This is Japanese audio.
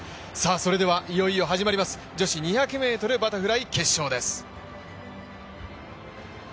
それではいよいよ始まります、女子２００ｍバタフライ決勝です。